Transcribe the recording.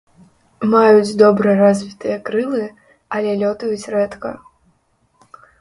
Маюць добра развітыя крылы, але лётаюць рэдка.